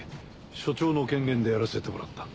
署長の権限でやらせてもらった。